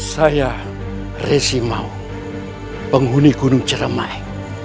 saya resi mau penghuni gunung ciremai